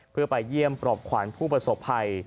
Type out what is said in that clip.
เพื่อไปเยี่ยมปลอบขวานผู้ประสบภัย